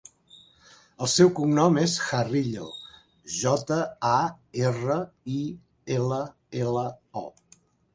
El seu cognom és Jarillo: jota, a, erra, i, ela, ela, o.